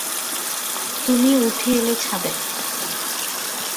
–তুমি উঠে এলে ছাদে।